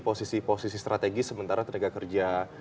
posisi posisi strategis sementara tenaga kerja